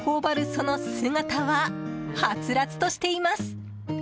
その姿は、はつらつとしています。